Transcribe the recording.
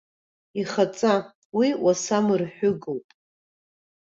Ихаҵа, уи уасамырҳәыгоуп.